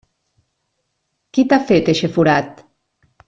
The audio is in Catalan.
Qui t'ha fet eixe forat?